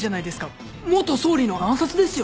元総理の暗殺ですよ。